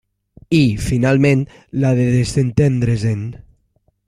I, finalment, la de desentendre-se'n.